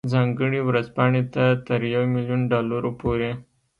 ځانګړې ورځپاڼې ته تر یو میلیون ډالرو پورې.